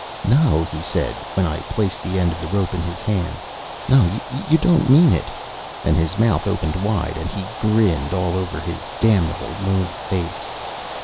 "No," he said, when I placed the end of the rope in his hand. "No, you don't mean it." And his mouth opened wide and he grinned all over his damnable moon face.